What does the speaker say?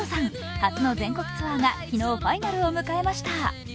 初の全国ツアーが昨日ファイナルを迎えました。